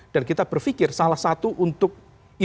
dan kita berpikir salah satu untuk isu penelitian